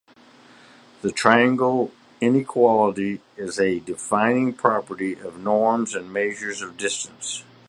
The triangle inequality is a "defining property" of norms and measures of distance.